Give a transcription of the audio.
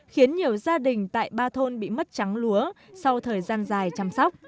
khiến nhiều gia đình tại ba thôn bị mất trắng lúa sau thời gian dài chăm sóc